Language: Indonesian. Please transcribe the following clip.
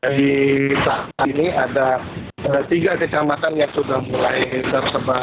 jadi saat ini ada tiga kecamatan yang sudah mulai tersebar